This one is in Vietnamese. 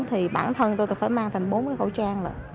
thì bản thân tôi phải mang thành bốn cái khẩu trang